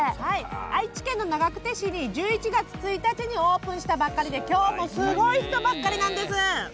愛知県長久手市に１１月１日にオープンしたばかりで今日もすごい人だかりなんです。